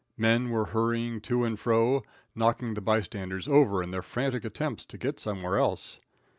Men were hurrying to and fro, knocking the bystanders over in their frantic attempts to get somewhere else.